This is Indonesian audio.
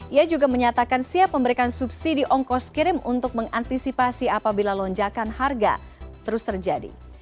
ia juga menyatakan siap memberikan subsidi ongkos kirim untuk mengantisipasi apabila lonjakan harga terus terjadi